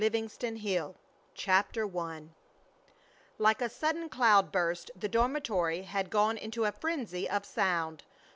"_ I JOHN 5:10 THE WITNESS CHAPTER I Like a sudden cloudburst the dormitory had gone into a frenzy of sound.